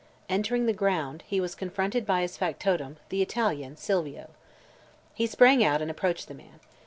Entering the ground, he was confronted by his factotum, the Italian, Silvio. He sprang out and approached the man.